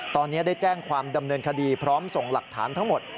ตอนนี้ได้แจ้งความดำเนินคดีพร้อมส่งหลักฐานทั้งหมด